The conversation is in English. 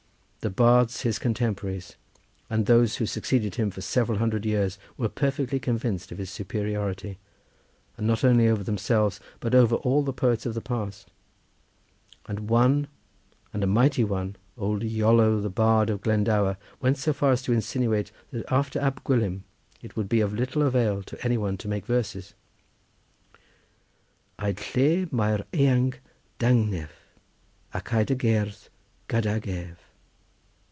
The bards his contemporaries, and those who succeeded him for several hundred years, were perfectly convinced of his superiority not only over themselves but over all the poets of the past, and one, and a mighty one, old Iolo the bard of Glendower, went so far as to insinuate that after Ab Gwilym it would be of little avail for any one to make verses:— "Aed lle mae'r eang dangneff, Ac aed y gerdd gydag ef."